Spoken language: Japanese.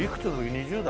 ２０代？